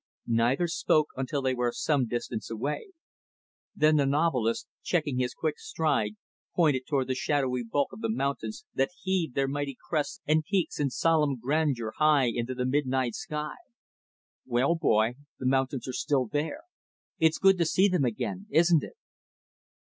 Neither spoke until they were some distance away. Then the novelist, checking his quick stride, pointed toward the shadowy bulk of the mountains that heaved their mighty crests and peaks in solemn grandeur high into the midnight sky. "Well, boy," he said, "the mountains are still there. It's good to see them again, isn't it?"